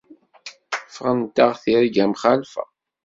Ffɣent-aɣ tirga mxalfa.